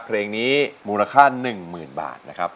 เพลงนี้มูลค่า๑๐๐๐บาทนะครับ